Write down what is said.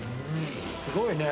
すごいね！